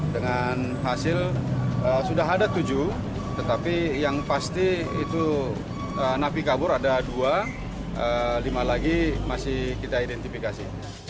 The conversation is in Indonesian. dengan hasil sudah ada tujuh tetapi yang pasti itu napi kabur ada dua lima lagi masih kita identifikasi